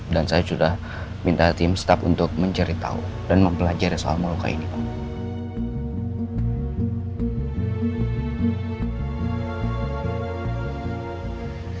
dan saya sudah minta tim staff untuk mencari tau dan mempelajari soal muluka ini pak